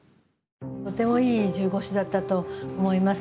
とてもいい１５首だったと思いますね。